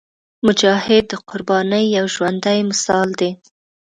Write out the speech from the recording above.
مجاهد د قربانۍ یو ژوندی مثال دی.